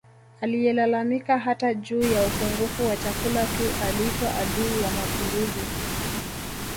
Aliyelalamika hata juu ya upungufu wa chakula tu aliitwa adui wa Mapinduzi